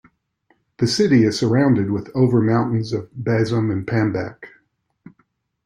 The city, is surrounded with the over mountains of Bazum and Pambak.